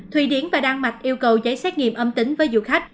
thủy điển và đan mạch yêu cầu giấy xét nghiệm âm tính với du khách